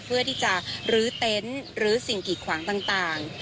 เพื่อที่จะลื้อเต็นต์ลื้อสิ่งกีดขวางต่าง